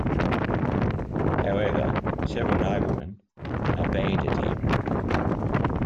However, several noblemen abandoned him.